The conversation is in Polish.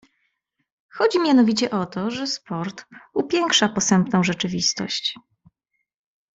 "Chodzi mianowicie o to, że sport upiększa posępną rzeczywistość."